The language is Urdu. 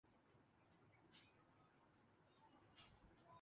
یوں تو شاعری کے شعبے میں صرف معمولی اور رسمی شرکت ہے